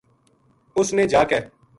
اس نے جا کے